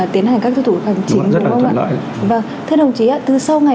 trong việc tiến hành các thủ tục hành chính